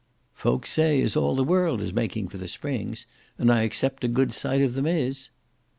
"Folks say as all the world is making for the Springs, and I except a good sight of them is."